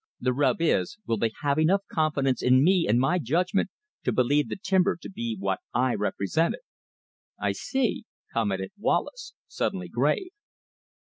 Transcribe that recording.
The rub is, will they have enough confidence in me and my judgment to believe the timber to be what I represent it?" "I see," commented Wallace, suddenly grave.